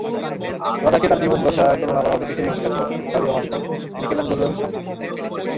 রদ্যাঁকে তাঁর জীবদ্দশায় তুলনা করা হতো পৃথিবীখ্যাত ইতালীয় ভাস্কর মিকেলাঞ্জেলোর সঙ্গে।